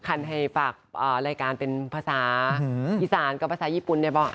คันให้ฝากรายการเป็นภาษาอีสานกับภาษาญี่ปุ่นเนี่ยบอก